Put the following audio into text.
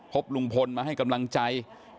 พบลุงพลมาให้กำลังใจ